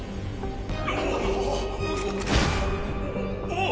あっ！